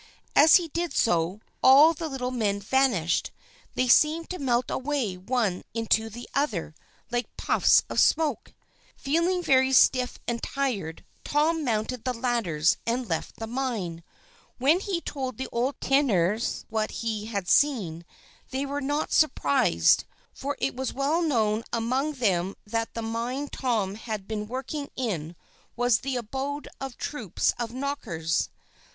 As he did so, all the little men vanished. They seemed to melt away one into the other like puffs of smoke. Feeling very stiff and tired, Tom mounted the ladders, and left the mine. When he told the old tinners what he had seen, they were not surprised, for it was well known among them that the mine Tom had been working in was the abode of troops of Knockers.